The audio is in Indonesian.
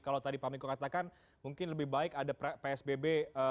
kalau tadi pak miko katakan mungkin lebih baik ada psbb